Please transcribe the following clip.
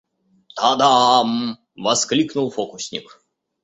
«Тадам!» — воскликнул фокусник.